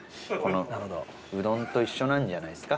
なるほどうどんと一緒なんじゃないですか